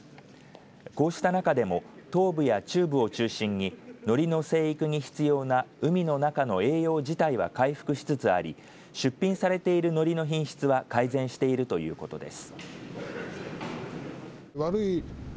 こうした中でも東部や中部を中心にのりの生育に必要な海の中の栄養自体は回復しつつあり出品されているのりの品質は改善しているということです。